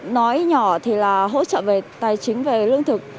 nói nhỏ thì là hỗ trợ về tài chính về lương thực